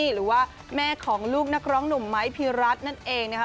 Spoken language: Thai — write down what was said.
หรือว่าแม่ของลูกนักร้องหนุ่มไม้พีรัตน์นั่นเองนะคะ